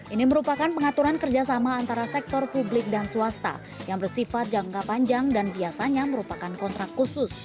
ini merupakan pengaturan kerjasama antara sektor publik dan swasta yang bersifat jangka panjang dan biasanya merupakan kontrak khusus